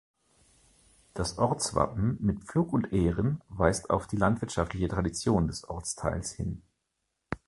Das Ortswappen mit Pflug und Ähren weist auf die landwirtschaftliche Tradition des Ortsteils hin.